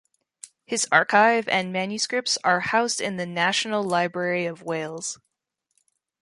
His archive and manuscripts are housed in the National Library of Wales.